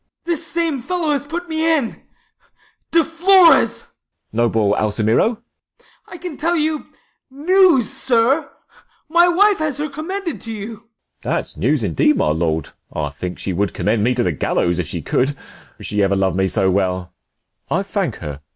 This same fellow has put me in. — De Flores ! DeF. Noble Alsemero ? Ah. I can tell you 90 News, sir; my wife has her commended to you. De F. That's news indeed, my lord ; I think she would Commend me to the gallows if she could, She ever lov'd me so well; I thank her.